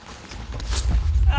あ！